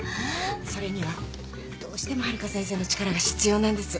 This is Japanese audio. それにはどうしてもハルカ先生の力が必要なんです。